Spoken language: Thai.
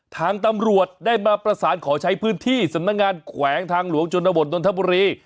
ทางตำรวจได้มาประสานขอใช้พื้นที่สำนักงานแขวงทางหลวงชนบทนนทบุรี